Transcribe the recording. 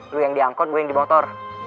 lo yang diangkut gue yang di motor